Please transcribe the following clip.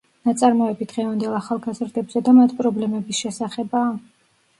ნაწარმოები დღევანდელ ახალგაზრდებზე და მათ პრობლემების შესახებაა.